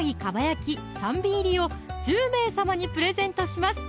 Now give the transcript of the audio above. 蒲焼き３尾入を１０名様にプレゼントします